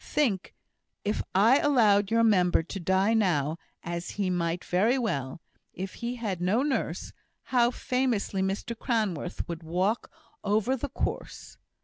Think, if I allowed your member to die now, as he might very well, if he had no nurse how famously Mr Cranworth would walk over the course!